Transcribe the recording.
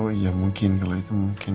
oh iya mungkin kalau itu mungkin